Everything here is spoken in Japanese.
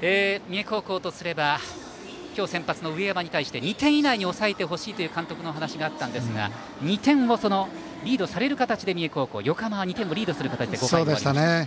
三重高校とすれば今日先発の上山に対して２点以内に抑えてほしいという監督のお話があったんですが２点をリードされる形で三重高校横浜は２点をリードする形で５回を終わりました。